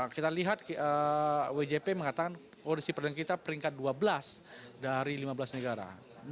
kita lihat wjp mengatakan kondisi perdagangan kita peringkat dua belas dari lima belas negara